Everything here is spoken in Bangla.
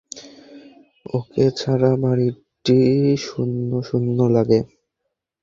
ওকে ছাড়া বাড়িটা শুণ্য শুণ্য লাগে।